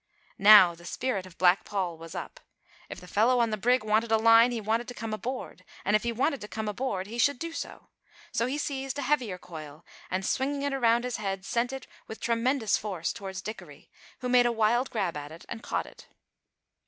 Now the spirit of Black Paul was up. If the fellow on the brig wanted a line he wanted to come aboard, and if he wanted to come aboard, he should do so. So he seized a heavier coil and, swinging it around his head, sent it, with tremendous force, towards Dickory, who made a wild grab at it and caught it.